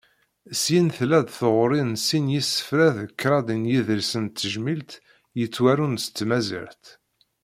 Syin tella-d tɣuri n sin n yisefra d kraḍ n yiḍrisen n tejmilt, yettwarun s tmaziɣt.